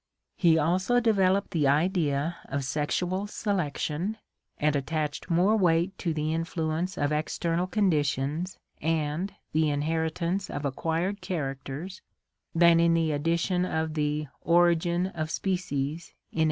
He also developed the idea of sexual selection and attached more weight to the influence of external conditions and the inheritance of acquired characters than in the edition of the Origin of Species in 1859.